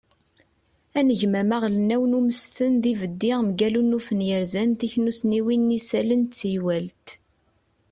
anegmam aɣelnaw n umesten d yibeddi mgal unufen yerzan tiknussniwin n yisallen d teywalt